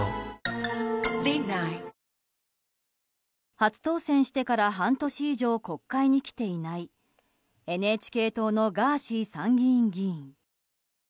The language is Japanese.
初当選してから半年以上国会に来ていないＮＨＫ党のガーシー参議院議員。